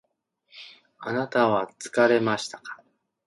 あなたは疲れましたか？